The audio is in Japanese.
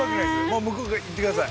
もう向こう行って下さい。